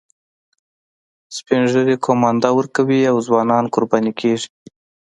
سپین ږیري قومانده ورکوي او ځوانان قرباني کیږي